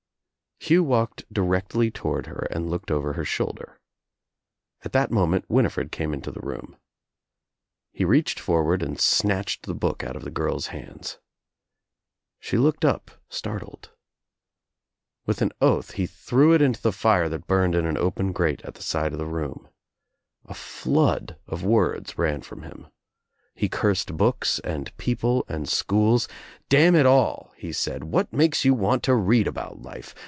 Hugh walked directly toward her and looked over her shoulder. At that moment Winifred came into the room. He reached forward and snatched the book out of the girl's hands. She looked up startled. With an oath he threw it Into the fire that burned in an open grate at the side of the room, A flood of words ran from him. He cursed books and people and schools. "Damn it all," he said. "What makes you want to read about life?